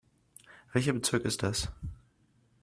Welcher Bezirk ist das?